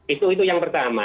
itu itu yang pertama